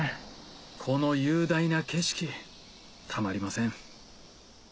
この雄大な景色たまりません